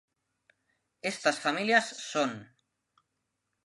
Estas familias son;